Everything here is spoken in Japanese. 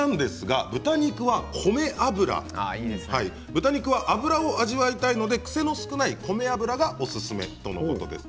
豚肉は脂を味わいたいので癖の少ないこめ油がおすすめということです。